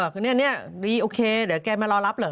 คือเนี่ยดีโอเคเดี๋ยวแกมารอรับเหรอ